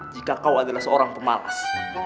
jika kau adalah seorang pemalas